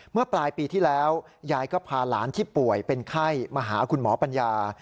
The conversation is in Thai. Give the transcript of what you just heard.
เมื่อปลายปีที่แล้วยายก็พาหลานที่ป่วยเป็นไข้มาหาคุณหมอปัญญา